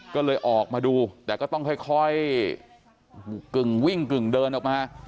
ก็เลยออกมาดูแต่ก็ต้องค่อยกึ่งวิ่งกึ่งเดินออกมา